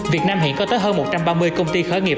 việt nam hiện có tới hơn một trăm ba mươi công ty khởi nghiệp